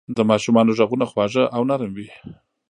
د ماشومانو ږغونه خوږ او نرم وي.